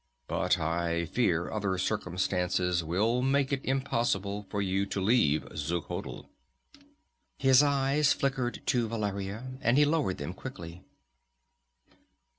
But I fear other circumstances will make it impossible for you to leave Xuchotl." His eyes flickered to Valeria, and he lowered them quickly.